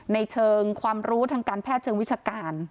ในเชิงความรู้ทางการแพทย์เชิงวิชาการ